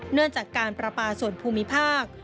เนื่องจากการประปาส่วนภูมิภาค